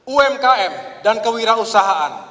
umkm dan kewirausahaan